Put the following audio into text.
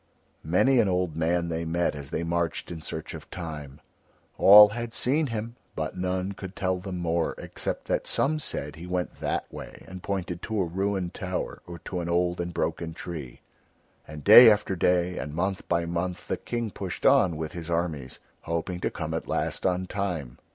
Many an old man they met as they marched in search of Time. All had seen him but none could tell them more, except that some said he went that way and pointed to a ruined tower or to an old and broken tree. And day after day and month by month the King pushed on with his armies, hoping to come at last on Time.